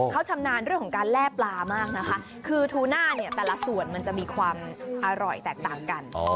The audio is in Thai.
แต่ละส่วนจะมีความอร่อยแตกต่างกัน